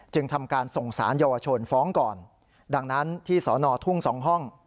ทำการส่งสารเยาวชนฟ้องก่อนดังนั้นที่สอนอทุ่งสองห้อง